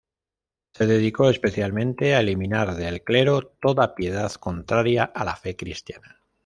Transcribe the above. Se dedicó especialmente a eliminar del clero toda piedad contraria a la fe cristiana.